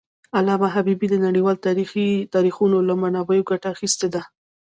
علامه حبيبي د نړیوالو تاریخونو له منابعو ګټه اخېستې ده.